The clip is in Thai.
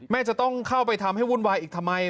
จะต้องเข้าไปทำให้วุ่นวายอีกทำไม